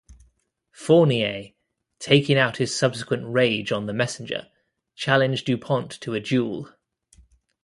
Fournier, taking out his subsequent rage on the messenger, challenged Dupont to a duel.